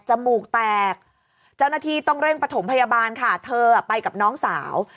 มูกแตกเจ้าหน้าที่ต้องเร่งประถมพยาบาลค่ะเธอไปกับน้องสาว